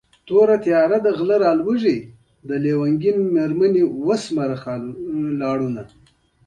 مرسته ورسره کوي.